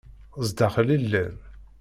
Zdaxel i llan.